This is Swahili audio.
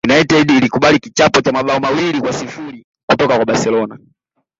united ilikubali kichapo cha mabao mawili kwa sifuri kutoka kwa barcelona